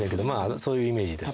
そういうイメージです。